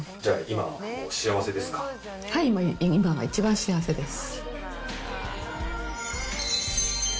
はい、今が一番幸せです。